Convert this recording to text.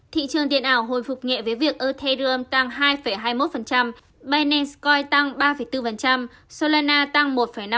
thị trường tiền ảo hồi phục nhẹ với việc ethereum tăng hai hai mươi một binance coin tăng ba bốn solana tăng một năm